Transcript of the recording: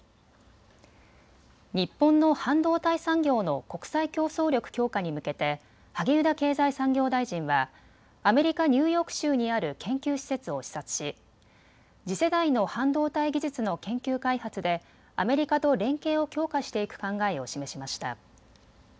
日本の半導体産業の国際競争力強化に向けて萩生田経済産業大臣はアメリカ・ニューヨーク州にある研究施設を視察し次世代の半導体技術の研究開発でアメリカと連携を強化していく考えを示しました。